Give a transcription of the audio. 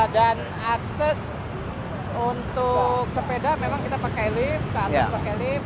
dan akses untuk sepeda memang kita pakai lift ke atas pakai lift